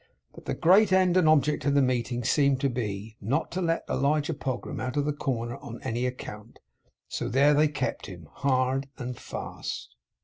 But the great end and object of the meeting seemed to be, not to let Elijah Pogram out of the corner on any account; so there they kept him, hard and fast.